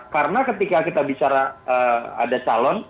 karena ketika kita bicara ada calon